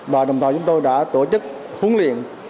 và đồng thời chúng tôi đã tổ chức huấn luyện thường chiên tiên triền